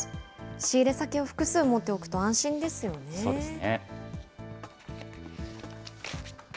仕入れ先を複数持っておくと安心ですよね。